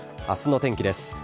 あすの天気です。